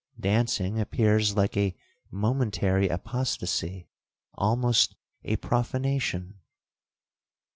Dancing appears like a momentary apostasy, almost a profanation.'